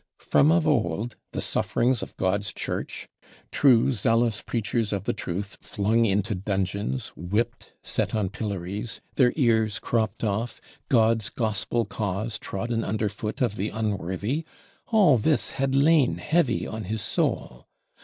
From of old, the sufferings of God's Church, true zealous Preachers of the truth flung into dungeons, whipt, set on pillories, their ears cropt off, God's Gospel cause trodden under foot of the unworthy: all this had lain heavy on his soul.